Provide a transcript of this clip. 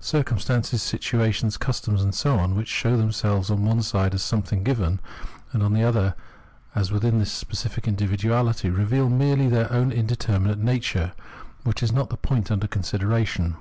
Cir cumstances, situation, customs, and so on, which show themselves on one side as something given, and on the other as within this specific individuahty, reveal merely their own indeterminate nature, which is not the point under consideration.